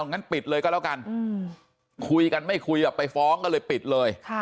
งั้นปิดเลยก็แล้วกันคุยกันไม่คุยไปฟ้องก็เลยปิดเลย